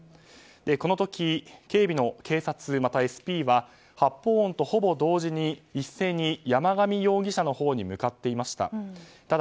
この時、警備の警察、またＳＰは発砲音とほぼ同時に一斉に山上容疑者のほうに向かっていました。